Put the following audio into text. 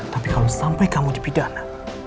tapi kalau sampai kamu dipidana